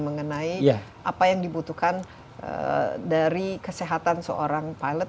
mengenai apa yang dibutuhkan dari kesehatan seorang pilot